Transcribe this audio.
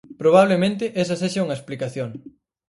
Probablemente, esa sexa unha explicación.